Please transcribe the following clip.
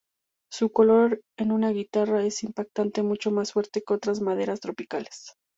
Su color en una guitarra es impactante, mucho más fuerte que otras maderas tropicales.